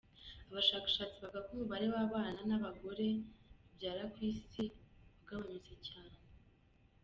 Abashakashatsi bavuga ko umubare w'abana abagore babyara ku isi wagabunutse cyane.